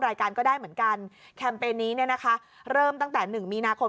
รายการก็ได้เหมือนกันเนี้ยนะคะเริ่มตั้งแต่หนึ่งมีนาคม